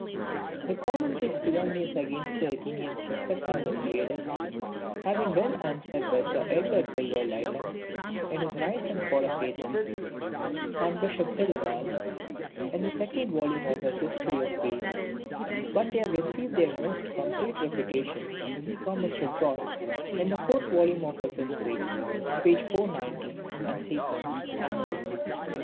[The common place calumnies against the Athenians respecting Miltiades have been well answered by Sir Edward Bulwer Lytton in his "Rise and Fall of Athens," and Bishop Thirlwall in the second volume of his "History of Greece;" but they have received their most complete refutation from Mr. Grote in the fourth volume of his History, p.490 et seq., and notes.